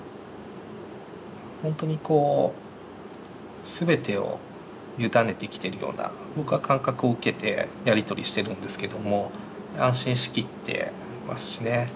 本当にこうすべてを委ねてきているような僕は感覚を受けてやり取りしてるんですけども安心しきってますしね。